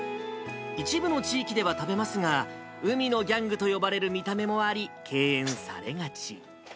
一部の地域では食べますが、海のギャングと呼ばれる見た目もあり、敬遠されがち。